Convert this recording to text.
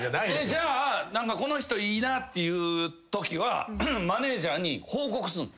じゃあこの人いいなっていうときはマネージャーに報告すんの？